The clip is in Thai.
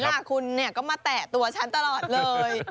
ล่ะคุณเนี่ยก็มาแตะตัวฉันตลอดเลย